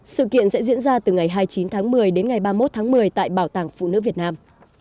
sự kiện sẽ diễn ra từ ngày hai mươi chín tháng một mươi đến ngày ba mươi một tháng một mươi tại bảo tàng phụ nữ việt nam